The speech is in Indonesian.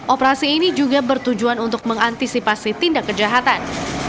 operasi ini juga bertujuan untuk mengantisipasi tindak kejahatan